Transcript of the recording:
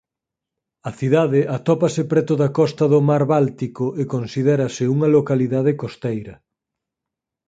A cidade atópase preto da costa do mar Báltico e considérase unha localidade costeira.